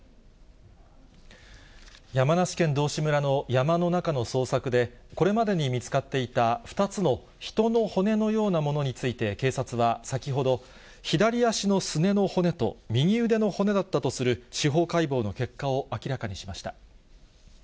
山梨県道志村の山の中の捜索で、これまでに見つかっていた２つの人の骨のようなものについて、警察は先ほど、左足のすねの骨と、右腕の骨だったとする司法解剖の結果を明らかにしました。